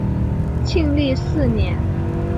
庆历四年。